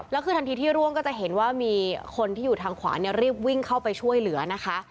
แล้วคือทันทีที่ร่วงก็จะเห็นว่ามีคนที่อยู่ทางขวาเนี่ยรีบวิ่งเข้าไปช่วยเหลือนะคะ